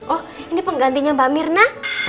oh ini penggantinya mbak mirna